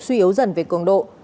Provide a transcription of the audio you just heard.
tuy yếu dần về cường độ